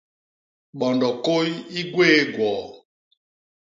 Bondo kôy i gwéé gwoo.